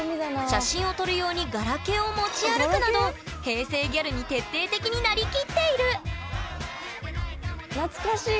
写真を撮る用にガラケーを持ち歩くなど平成ギャルに徹底的になりきっている懐かしい！